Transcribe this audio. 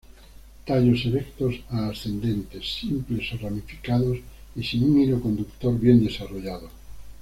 Tallos erectos a ascendentes, simples o ramificados y sin un hilo conductor bien desarrollado.